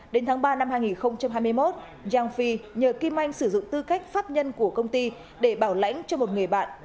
đến tháng ba năm hai nghìn hai mươi một yang phi nhờ kim anh sử dụng tư cách pháp nhân của công ty để bảo lãnh cho một người bạn